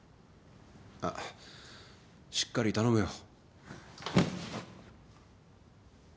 あっしっかり頼むよ。